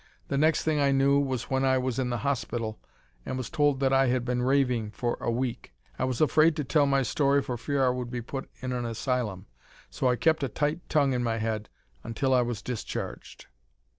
The next thing I knew was when I was in the hospital and was told that I had been raving for a week. I was afraid to tell my story for fear I would be put in an asylum, so I kept a tight tongue in my head until I was discharged."